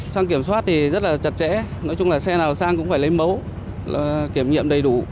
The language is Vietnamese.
sang kiểm soát thì rất là chặt chẽ nói chung là xe nào sang cũng phải lấy mẫu kiểm nghiệm đầy đủ